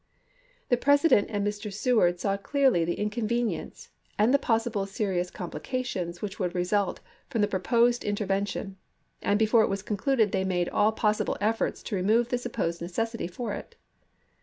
The President and Mr. Seward saw clearly the inconvenience and the possible serious complica 38 ABRAHAM LINCOLN Chap. II. tions wMch would result from the proposed inter vention ; and before it was concluded they made all possible efforts to remove the supposed necessity for it.